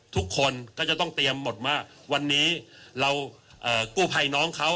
ทุกคนก็จะต้องเตรียมหมดว่าวันนี้เรากู้ภัยน้องเขา